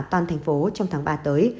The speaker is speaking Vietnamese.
toàn thành phố trong tháng ba tới